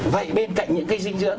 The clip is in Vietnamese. vậy bên cạnh những cái dinh dưỡng